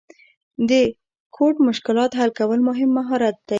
د کوډ مشکلات حل کول مهم مهارت دی.